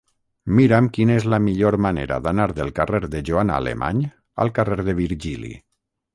Mira'm quina és la millor manera d'anar del carrer de Joana Alemany al carrer de Virgili.